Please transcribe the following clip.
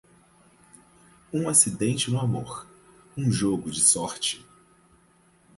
Um acidente no amor, um jogo de sorte.